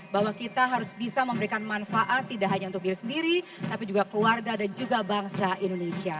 bahwa kita harus bisa memberikan manfaat tidak hanya untuk diri sendiri tapi juga keluarga dan juga bangsa indonesia